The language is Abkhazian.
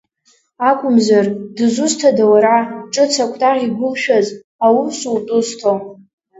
Акәымзар, дызусҭда уара, ҿыц акәтаӷь игәылшәаз, аусутә узҭо…